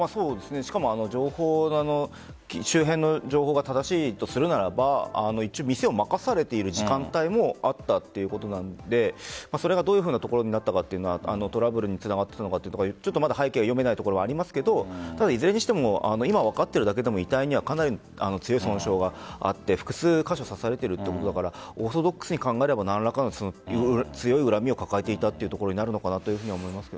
しかも周辺の情報が正しいとするならば店を任されている時間帯もあったということなのでそれがどういうふうなところになったかというのはトラブルにつながったかは背景が読めないところがありますがいずれにしても今分かっているだけでも遺体には、かなりの強い損傷があって複数カ所刺されているということだからオーソドックスに考えれば何らかの強い恨みを抱えていたというところになるのかなと思います。